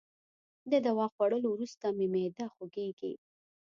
د دوا خوړولو وروسته مي معده خوږیږي.